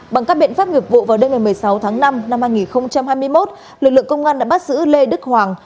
bằng các biện pháp nghiệp vụ vào đêm ngày một mươi sáu tháng năm năm hai nghìn hai mươi một lực lượng công an đã bắt giữ lê đức hoàng